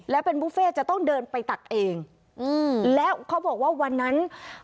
แล้วเป็นบุฟเฟ่จะต้องเดินไปตักเองอืมแล้วเขาบอกว่าวันนั้น